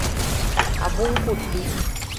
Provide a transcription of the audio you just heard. Abunkuni.